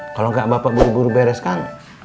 kalau nggak bapak buru buru bereskan